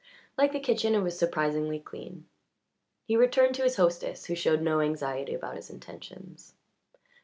Like the kitchen it was surprisingly clean. He returned to his hostess, who showed no anxiety about his intentions.